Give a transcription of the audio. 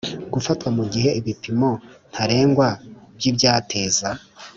Gufatwa mu gihe ibipimo ntarengwa by ibyateza